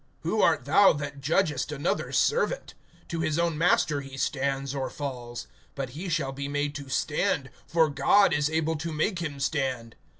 (4)Who art thou that judgest another's servant? To his own master he stands or falls. But he shall be made to stand; for God is able to make him stand.